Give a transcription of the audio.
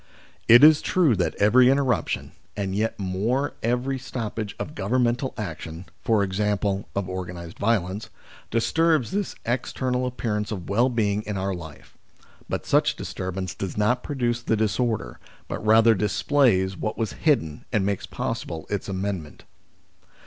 It is true that every interruption, and yet more every stoppage of governmental action, i.e. of organised violence, disturbs this external appearance of well being in our life, but such disturbance does not pro duce the disorder, but rather displays what was hidden and makes possible its amendment.